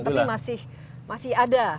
tapi masih ada